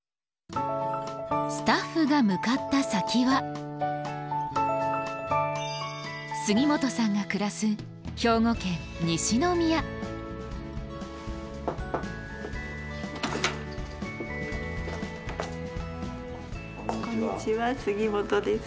スタッフが向かった先は杉本さんが暮らすこんにちは杉本です。